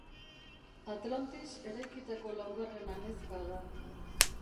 Atlantis eraikitako laugarren anezka da.